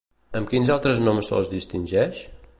Amb quins altres noms se'ls distingeix?